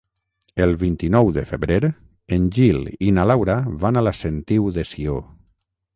El vint-i-nou de febrer en Gil i na Laura van a la Sentiu de Sió.